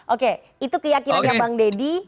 oke itu keyakinannya bang deddy